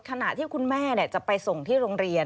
ขณะที่คุณแม่จะไปส่งที่โรงเรียน